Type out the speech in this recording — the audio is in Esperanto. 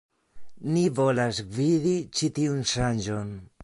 Ni volas gvidi ĉi tiun ŝanĝon.